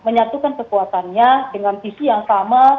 menyatukan kekuatannya dengan visi yang sama